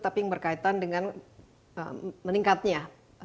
tapi yang berkaitan dengan meningkatnya